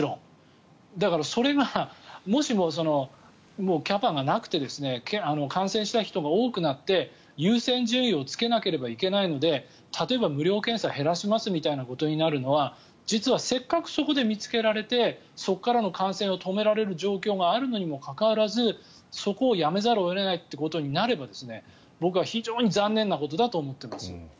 だから、それがもしもキャパがなくて感染した人が多くなって優先順位をつけなければいけないので例えば無料検査減らしますということになるのは実はせっかくそこで見つけられてそこからの感染を止められる状況があるのにもかかわらずそこをやめざるを得ないということになれば僕は非常に残念なことだと思っています。